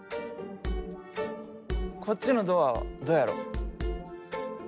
こっちのドアはどやろ？